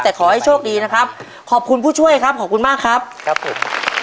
แต่ขอให้โชคดีนะครับขอบคุณผู้ช่วยครับขอบคุณมากครับครับผม